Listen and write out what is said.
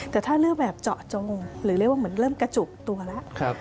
แต่ถ้าเลือกแบบเจาะจงหรือเรียกว่าเหมือนเริ่มกระจุกตัวแล้ว